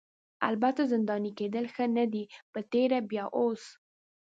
البته زنداني کیدل ښه نه دي په تېره بیا اوس.